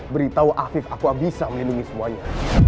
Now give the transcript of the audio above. beritahu afif aku bisa melindungi semuanya